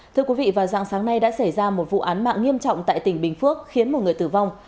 thưa quý vị vào dạng sáng nay đã xảy ra một vụ án mạng nghiêm trọng tại tỉnh bình phước khiến một người tử vong